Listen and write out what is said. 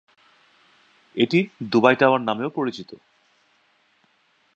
এটি "Dubai Tower" নামেও পরিচিত।